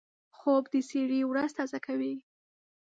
خوب د سړي ورځ تازه کوي